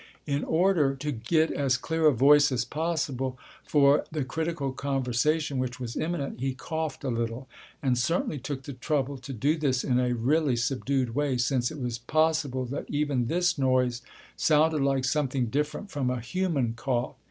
In order to get as clear a voice as possible for the critical conversation which was imminent, he coughed a little, and certainly took the trouble to do this in a really subdued way, since it was possible that even this noise sounded like something different from a human cough.